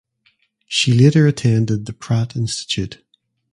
She later attended the Pratt Institute.